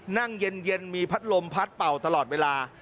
นั่งเย็นมีพัดลมพัดเป่าตลอดเวลา